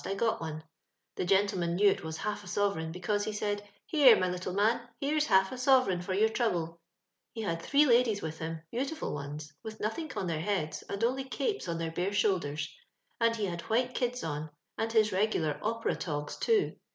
I got oiie^ The geutlemoji kcew it was half m sovereign* because he said —* Here, nay little man, here's half a sovf mgn for your trouble.* He had tlin.'e ladies wiib him, beautiful onesj, with tiotbink on their hf^od^ and only capoa on theif tkare ^Imiilderii ; and h^ had white kids on, and his it^gular Opcm togt, too.